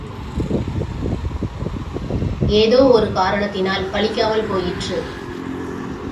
ஏதோ காரணத்தினால் பலிக்காமற் போயிற்று.